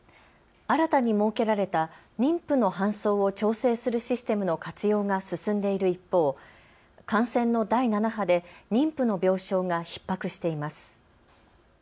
新たに設けられた妊婦の搬送を調整するシステムの活用が進んでいる一方、感染の第７波で妊婦の病床がひっ迫しています。